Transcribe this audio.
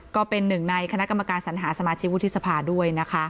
ก็เป็นหนึ่งในคณะกรรมการสัญหาสมาชิกวุฒิสภาด้วยนะคะ